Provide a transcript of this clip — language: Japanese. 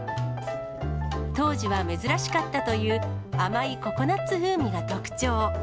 当時は珍しかったという甘いココナッツ風味が特徴。